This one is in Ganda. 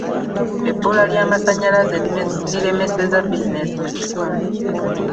Ebbula ly'amasannyalaze liremesezza bizinensi mu kitundu.